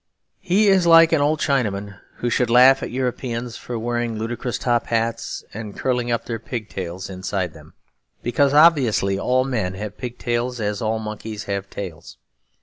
He is like an old Chinaman who should laugh at Europeans for wearing ludicrous top hats and curling up their pig tails inside them; because obviously all men have pig tails, as all monkeys have tails.